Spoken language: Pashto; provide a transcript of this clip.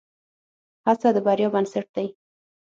هڅه د بریا بنسټ دی.